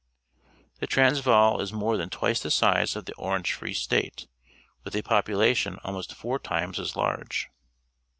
— The Transvaal is more than twice the size of the Orange Free State, with a population almost four times as large.